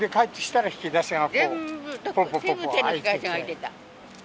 全部全ての引き出しが開いてた。